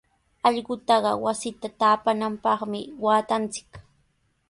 Allqutaqa wasita taapananpaqmi waatanchik.